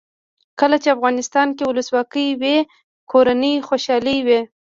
کله چې افغانستان کې ولسواکي وي کورنۍ خوشحاله وي.